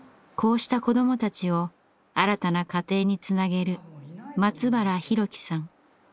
こうした子どもたちを新たな家庭につなげる松原宏樹さん。